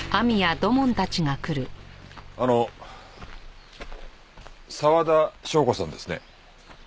あの沢田紹子さんですね？